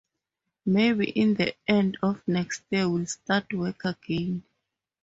Maybe in the end of next year we'll start work again.